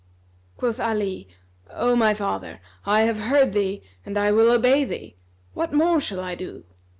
'" Quoth Ali, "O my father, I have heard thee and I will obey thee what more shall I do?"